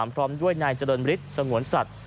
พร้อมด้วยนายเจริญฤทธิ์สงวนสัตว์